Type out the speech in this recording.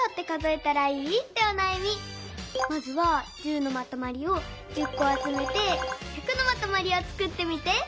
まずは１０のまとまりを１０こあつめて「１００」のまとまりをつくってみて。